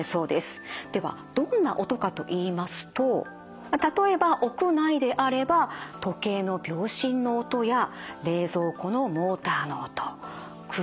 ではどんな音かといいますと例えば屋内であれば時計の秒針の音や冷蔵庫のモーターの音空調の音など。